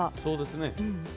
そうですね。